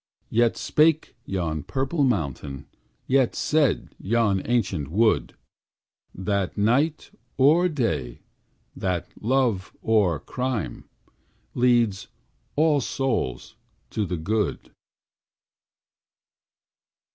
Yet spake yon purple mountain, Yet said yon ancient wood, That Night or Day, that Love or Crime, Leads all souls to the Good.